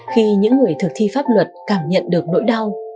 khi những người thực thi pháp luật cảm nhận được nỗi đau